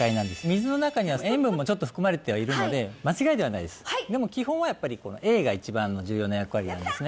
水の中には塩分もちょっと含まれてはいるので間違いではないですでも基本はやっぱりＡが一番重要な役割なんですね